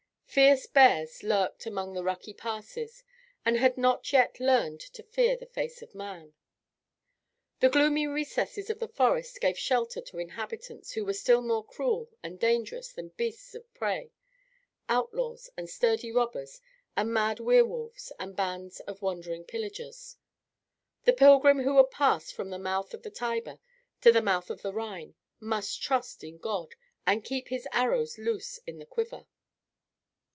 Fierce bears lurked among the rocky passes, and had not yet learned to fear the face of man. The gloomy recesses of the forest gave shelter to inhabitants who were still more cruel and dangerous than beasts of prey, outlaws and sturdy robbers and mad were wolves and bands of wandering pillagers. The pilgrim who would pass from the mouth of the Tiber to the mouth of the Rhine must trust in God and keep his arrows loose in the quiver.